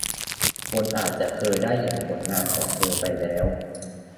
คนอาจจะเคยได้เห็นผลงานของเธอไปแล้ว